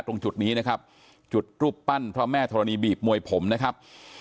ตรงจุดนี้นะครับจุดรูปปั้นพระแม่ธรณีบีบมวยผมนะครับ